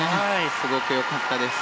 すごくよかったです。